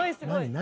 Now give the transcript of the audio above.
何？